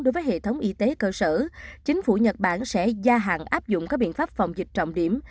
đối với hệ thống y tế cơ sở chính phủ nhật bản sẽ gia hạn áp dụng các biện pháp phòng dịch trọng điểm